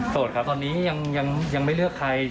ครับตอนนี้ยังไม่เลือกใคร